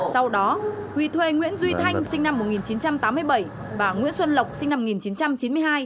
sau đó huy thuê nguyễn duy thanh sinh năm một nghìn chín trăm tám mươi bảy và nguyễn xuân lộc sinh năm một nghìn chín trăm chín mươi hai